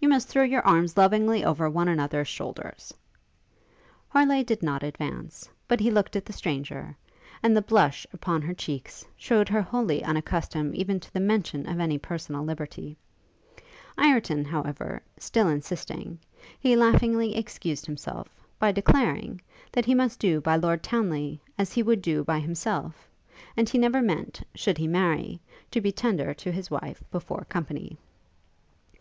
You must throw your arms lovingly over one another's shoulders.' Harleigh did not advance, but he looked at the stranger, and the blush upon her cheeks shewed her wholly unaccustomed even to the mention of any personal liberty; Ireton, however, still insisting, he laughingly excused himself, by declaring, that he must do by Lord Townly as he would do by himself; and he never meant, should he marry, to be tender to his wife before company.